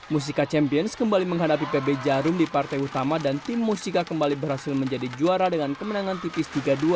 musica champions kembali menghadapi pb jarum di partai utama dan tim musika kembali berhasil menjadi juara dengan kemenangan tipis tiga dua